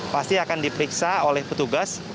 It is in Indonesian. pasti akan diperiksa oleh petugas